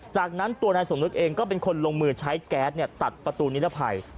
จากนั้นตัวนายสมนึกเองก็เป็นคนลงมือใช้แก๊สตัดประตูนิรภัย